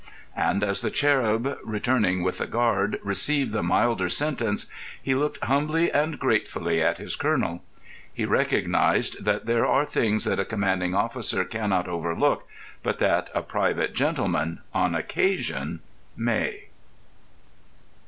And as the cherub, returning with the guard, received the milder sentence, he looked humbly and gratefully at his colonel. He recognised that there are things that a commanding officer cannot overlook, but that a private gentleman, on occasion, may.